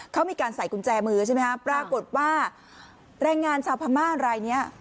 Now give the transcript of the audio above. เขามีการใส่กุญแจมือใช่ไหมครับปรากฏว่าแรงงานชาวพม่ารายนี้